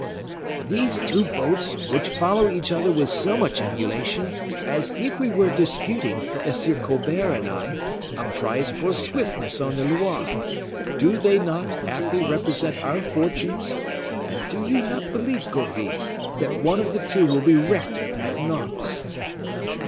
"These two boats, which follow each other with so much emulation, as if we were disputing, M. Colbert and I, a prize for swiftness on the Loire, do they not aptly represent our fortunes; and do you not believe, Gourville, that one of the two will be wrecked at Nantes?"